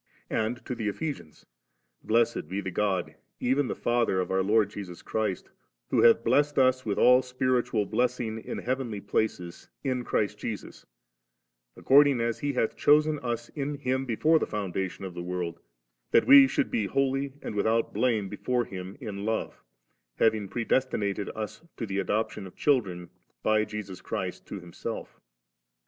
And to the Ephe sians ;* Blessed be God even the Father of our Lord Jesus Christ, who hath blessed us with all spiritual blessing in heavenly places in Christ Jesus, according as He hath chosen us in Him before the foundation of the world, that we should be holy and without blame before Him in love, having predestinated us to the adoption of children by Jesus Christ to Himself*.